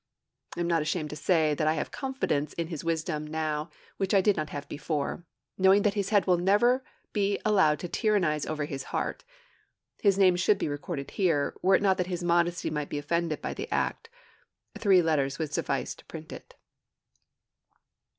I am not ashamed to say that I have a confidence in his wisdom now which I did not have before, knowing that his head will never be allowed to tyrannize over his heart. His name should be recorded here, were it not that his modesty might be offended by the act. (Three letters would suffice to print it.)